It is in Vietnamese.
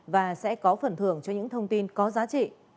và sẽ có phần thưởng cho những thông tin có giá trị